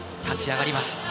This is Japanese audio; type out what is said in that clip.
立ち上がります。